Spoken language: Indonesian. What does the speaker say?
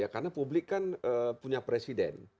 karena publik kan punya presiden